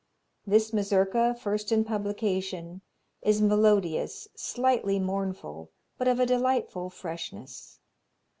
This Mazurka, first in publication, is melodious, slightly mournful but of a delightful freshness.